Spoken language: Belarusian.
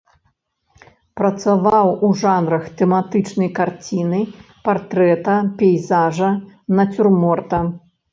Працаваў у жанрах тэматычнай карціны, партрэта, пейзажа, нацюрморта.